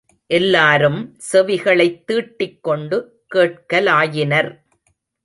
எல்லாரும் செவிகளைத் தீட்டிக்கொண்டு கேட்கலாயினர்.